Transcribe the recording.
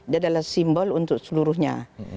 dia adalah simbol untuk seluruhnya